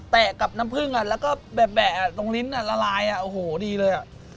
แตะกับน้ำพึ่งแล้วก็แบบตรงลิ้นร้ายดีเลย